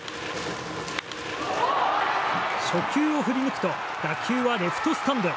初球を振り抜くと打球はレフトスタンドへ。